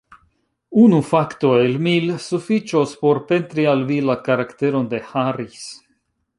Unu fakto, el mil, sufiĉos por pentri al vi la karakteron de Harris.